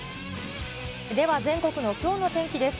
では、全国のきょうの天気です。